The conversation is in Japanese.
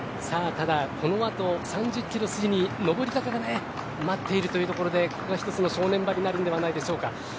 ただ、このあと３０キロ過ぎに上り坂が待っているというところでここが１つの正念場になるのではないでしょうか。